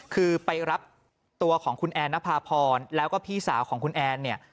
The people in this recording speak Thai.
คือไปรับตัวของคุณแอนนภาพรแล้วก็พี่สาวของคุณแอนเนี่ย